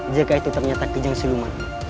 jika itu ternyata kijang sinuman